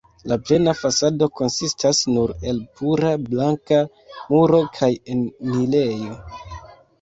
La plena fasado konsistas nur el pura blanka muro kaj enirejo.